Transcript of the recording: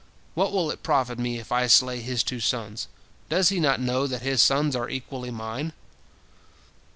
What will it profit me, if I slay his two sons? Does he not know that his sons are equally mine?"